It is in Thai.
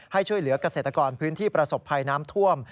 ช่วยเหลือกเกษตรกรพื้นที่ประสบภัยน้ำท่วม